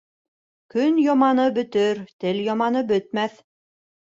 Көн яманы бөтөр, тел яманы бөтмәҫ.